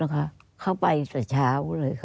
อันดับ๖๓๕จัดใช้วิจิตร